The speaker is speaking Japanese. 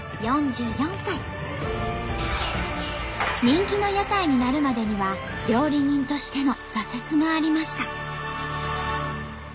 人気の屋台になるまでには料理人としての挫折がありました。